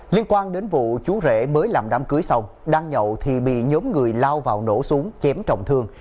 liên quan đến vụ chú rễ mới làm đám cưới xong đang nhậu thì bị nhóm người lao vào nổ súng chém trọng thương